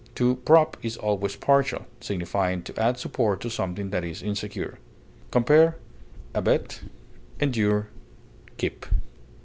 To prop is always partial, signifying to add support to something that is insecure. Compare ABET; ENDURE; KEEP.